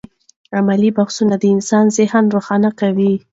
علمي بحثونه د انسان ذهن روښانه کوي.